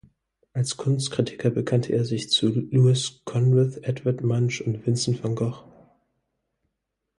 Als Kunstkritiker bekannte er sich zu Lovis Corinth, Edvard Munch und Vincent van Gogh.